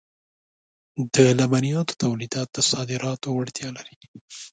د لبنیاتو تولیدات د صادراتو وړتیا لري.